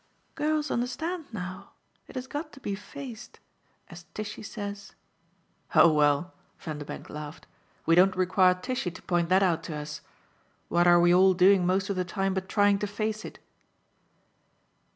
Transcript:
"Girls understand now. It has got to be faced, as Tishy says." "Oh well," Vanderbank laughed, "we don't require Tishy to point that out to us. What are we all doing most of the time but trying to face it?"